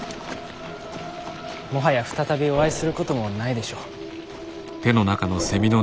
もはや再びお会いすることもないでしょう。